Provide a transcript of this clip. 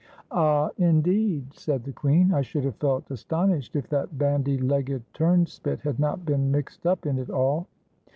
"Ah, indeed!" said the queen; "I should have felt astonished if that bandy legged turnspit had not been mixed up in it all."